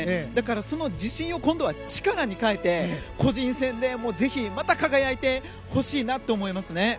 だから、その自信を今度は力に変えて個人戦でぜひまた輝いてほしいなと思いますね。